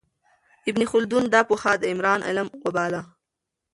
ابن خلدون دا پوهه د عمران علم وباله.